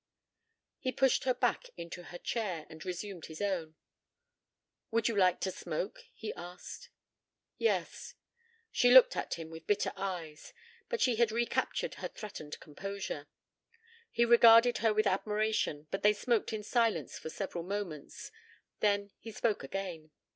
He pushed her back into her chair, and resumed his own. "Would you like to smoke?" he asked. "Yes." She looked at him with bitter eyes, but she had recaptured her threatened composure. He regarded her with admiration but they smoked in silence for several moments. Then he spoke again.